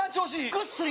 ぐっすり